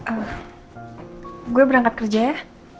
ah gue berangkat kerja ya